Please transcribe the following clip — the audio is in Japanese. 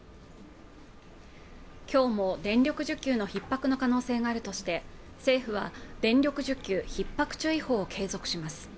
今日も電力需給のひっ迫の可能性があるとして政府は電力需給ひっ迫注意報を継続します